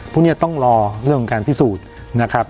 พวกนี้ต้องรอเรื่องของการพิสูจน์นะครับ